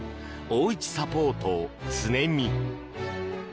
おうちサポートつねみ。